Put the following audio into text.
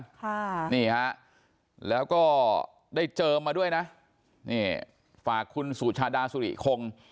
ค่ะนี่ฮะแล้วก็ได้เจอมาด้วยนะนี่ฝากคุณสุชาดาสุริคง